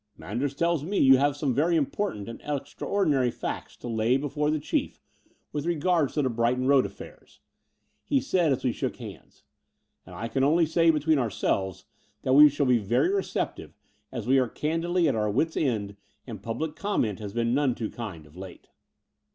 Manders tells me that you have some very im portant and extraordinary facts to lay before the Between London and Clymping 185 Chief with regard to the Brighton Road affairs," he said, as we shook hands: and I can only say, between ourselves, that we shall be very receptive, as we are candidly at our wits' end, and public comment has been none too kind of late.